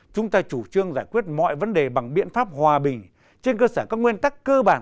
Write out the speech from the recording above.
chúng ta chủ trương giải quyết mọi vấn đề bằng biện pháp hòa bình trên cơ sở các nguyên tắc cơ bản